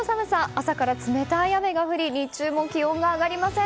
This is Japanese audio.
朝から冷たい雨が降り日中も気温が上がりません。